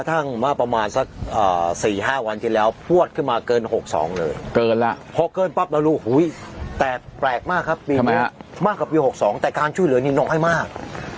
แต่แปลกมากครับปีนี้มากกว่าปี๖๒แต่การช่วยเหลือนี่น้อยมาก